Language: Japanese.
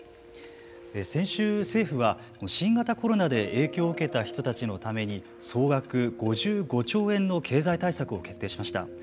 先週、政府は新型コロナで影響を受けた人たちのために総額５５兆円の経済対策を決定しました。